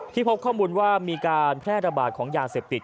พบข้อมูลว่ามีการแพร่ระบาดของยาเสพติด